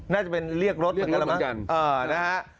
น่าจะเป็นเรียกรถเรียกรถบางจันทร์เออนะฮะ